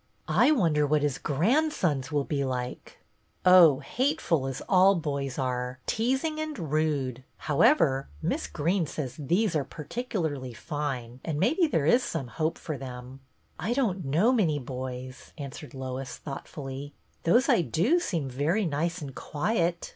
" I wonder what his grandsons will be like." " Oh, hateful, as all boys are, teasing and rude. However, Miss Greene says these are particularly fine, and maybe there is some hope for them." " I don't know many boys," answered Lois, thoughtfully. " Those I do seem very nice and quiet."